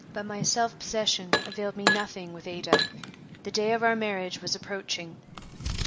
But my self possession availed me nothing with Ada. The day of our marriage was approaching."